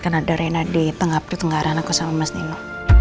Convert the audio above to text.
karena ada reina di tengah penggaraan aku sama mas nino